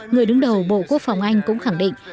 người đứng đầu bộ quốc phòng anh cũng khẳng định